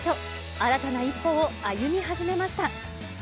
新たな一歩を歩み始めました。